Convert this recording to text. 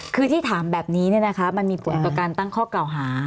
คือที่ถามแบบนี้เนี่ยนะคะมันมีผลกับการตั้งข้อเก่าหา